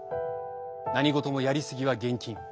何事もやり過ぎは厳禁。